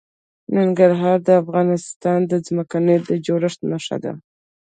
ننګرهار د افغانستان د ځمکې د جوړښت نښه ده.